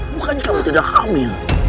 bukan kamu tidak hamil